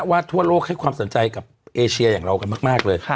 ทั่วโลกให้ความสนใจกับเอเชียอย่างเรากันมากเลย